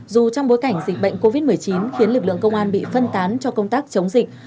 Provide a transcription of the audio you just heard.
dù trong bối cảnh dịch bệnh covid một mươi chín khiến lực lượng công an bị phân tán cho công tác chống dịch